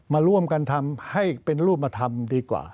มาร่วมกันทำให้เป็นรูปธรรมดีกว่า